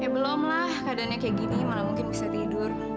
belum lah keadaannya kayak gini malah mungkin bisa tidur